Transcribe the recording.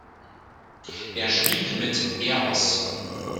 Er schrieb mit "Eros.